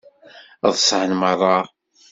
Ḍṣan meṛṛa.